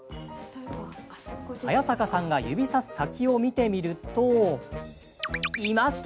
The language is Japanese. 早坂さんが指さす先を見てみるといました！